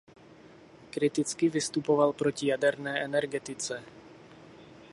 Kriticky vystupoval proti jaderné energetice.